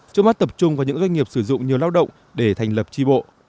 trước mắt tập trung vào những doanh nghiệp sử dụng nhiều lao động để thành lập tri bộ